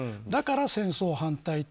だから戦争反対。